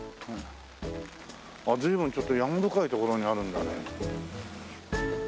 あっずいぶんちょっと山深い所にあるんだね。